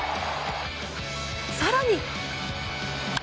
更に。